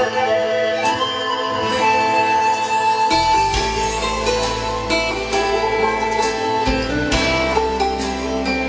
กดแล้ว